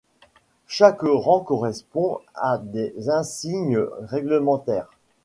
Chaque rang correspond à des insignes réglementaires.